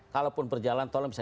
kalaupun berjalan tolong bisa